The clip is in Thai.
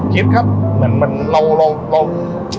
คิดครับเหมือนเคยต้อง